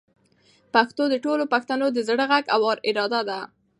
پښتو د ټولو پښتنو د زړه غږ او اراده ده.